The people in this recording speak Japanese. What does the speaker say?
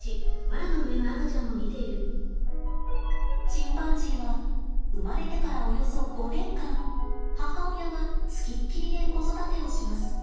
チンパンジーは生まれてからおよそ５年間母親がつきっきりで子育てをします。